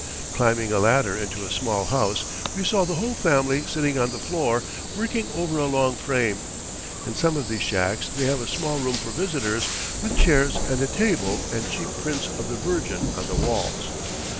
Climbing a ladder into a small house, we saw the whole family sitting on the floor, working over a long frame. In some of these shacks they have a small room for visitors, with chairs and a table, and cheap prints of the Virgin on the walls.